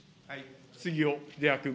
杉尾秀哉君。